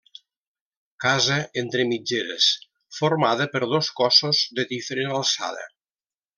Casa entre mitgeres formada per dos cossos de diferent alçada.